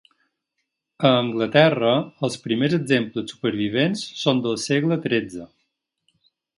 A Anglaterra els primers exemples supervivents són del segle XIII.